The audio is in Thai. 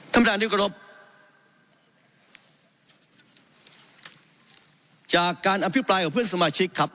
ทำฐานดิวกรบจากการอภิปรายกับเพื่อนสมาชิกครับ